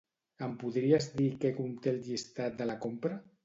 Em podries dir què conté el llistat de la compra?